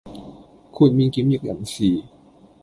豁免檢疫人士